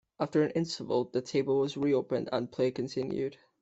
After an interval, the table was re-opened and play continued.